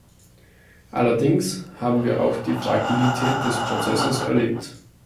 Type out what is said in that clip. Allerdings haben wir auch die Fragilität des Prozesses erlebt.